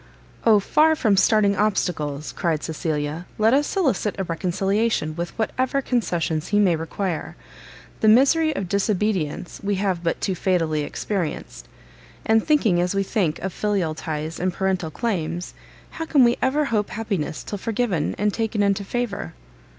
"O far from starting obstacles," cried Cecilia, "let us solicit a reconciliation with whatever concessions he may require. The misery of DISOBEDIENCE we have but too fatally experienced; and thinking as we think of filial ties and parental claims, how can we ever hope happiness till forgiven and taken into favour?"